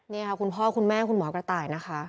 นี่ค่ะคุณพ่อคุณแม่คุณหมอกระต่ายนะคะ